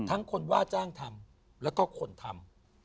ทั้งคนว่าจ้างทำและคนทำ